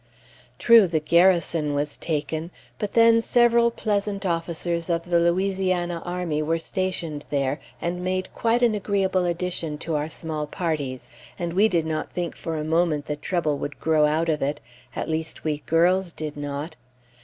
True the garrison was taken, but then several pleasant officers of the Louisiana army were stationed there, and made quite an agreeable addition to our small parties, and we did not think for a moment that trouble would grow out of it at least, we girls did not.